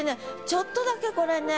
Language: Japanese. ちょっとだけこれね。